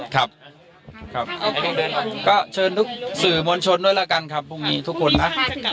ครับก็เชิญสื่อมวลชนด้วยละกันครับพรุ่งนี้ทุกคนนะ